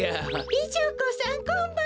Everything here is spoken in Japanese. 美女子さんこんばんは。